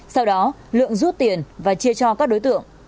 sau đó lượng rút tiền và chia cho các đối tượng